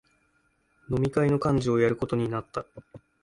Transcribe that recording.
飲み会の幹事をやることになった